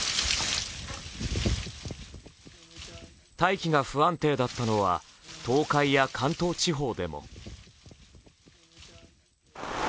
大気が不安定だったのは東海や関東地方でも。